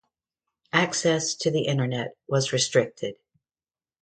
Access to the internet was restricted.